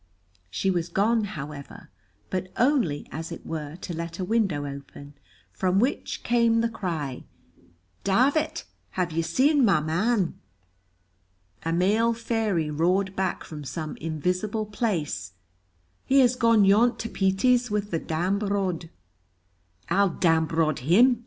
She was gone, however, but only, as it were, to let a window open, from which came the cry, "Davit, have you seen my man?" A male fairy roared back from some invisible place, "He has gone yont to Petey's wi' the dambrod." "I'll dambrod him!"